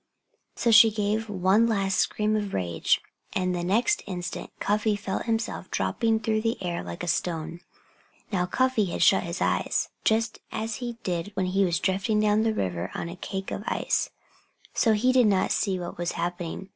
So she gave one last scream of rage; and the next instant Cuffy felt himself dropping through the air like a stone. Now, Cuffy had shut his eyes tight, just as he did when he was drifting down the river on the cake of ice; so he did not see what was happening.